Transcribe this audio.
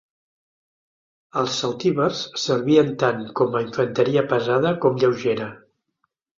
Els celtibers servien tant com a infanteria pesada com lleugera.